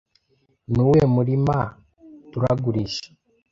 Ni uwuhe murima turagurisha